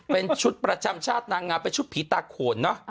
เป็นชุดประจำชาตินางงามเป็นชุดผีตาโขนเนอะ